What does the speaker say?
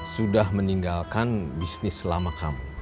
sudah meninggalkan bisnis selama kamu